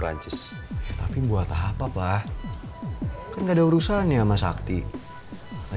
rissa anaknya kasih aja ya